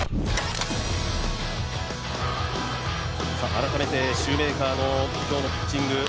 改めてシューメーカーの今日のピッチング。